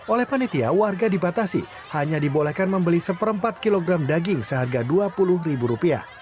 oleh panitia warga dibatasi hanya dibolehkan membeli seperempat kilogram daging seharga rp dua puluh